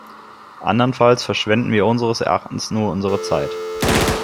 Andernfalls verschwenden wir unseres Erachtens nur unsere Zeit.